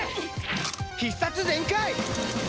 必殺全開！